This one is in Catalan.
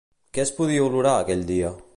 Què es podia olorar aquell dia?